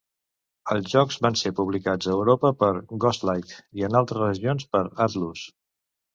Els jocs van ser publicats a Europa per Ghostlight i en altres regions per Atlus.